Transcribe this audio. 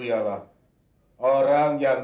ialah orang yang